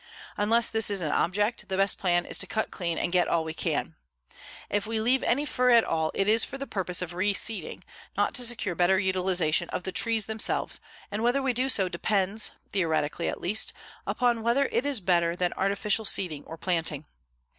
Unless this is an object, the best plan is to cut clean and get all we can. If we leave any fir at all it is for the purpose of reseeding, not to secure better utilization of the trees themselves, and whether we do so depends, theoretically at least, upon whether it is better than artificial seeding or planting.